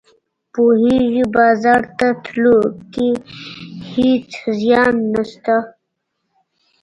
پوهیږې بازار ته تلو کې هیڅ زیان نشته